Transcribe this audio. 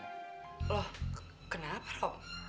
loh kenapa rom